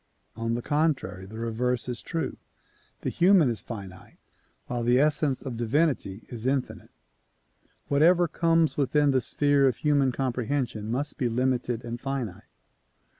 On the contrary the reverse is true ; the human is finite while the essence of divinity is infinite. Whatever comes within the sphere of human comprehension must be limited and finite.